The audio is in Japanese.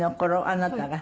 あなたが。